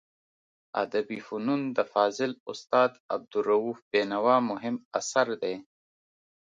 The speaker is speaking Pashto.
ادبي فنون د فاضل استاد عبدالروف بینوا مهم اثر دی.